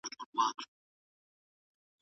هره شېبه ولګېږي زر شمعي